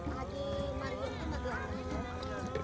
kalau jauh jauh jauh